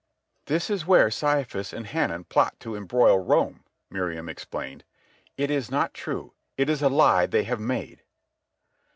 "That is where Caiaphas and Hanan plot to embroil Rome," Miriam explained. "It is not true. It is a lie they have made."